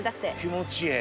気持ちええ。